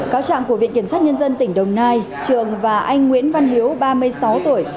cáo trạng của viện kiểm sát nhân dân tỉnh đồng nai trường và anh nguyễn văn hiếu ba mươi sáu tuổi